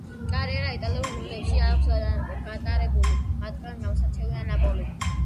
კარიერა იტალიურ გუნდებში აქვს გატარებული, მათგან გამოსარჩევია: ნაპოლი.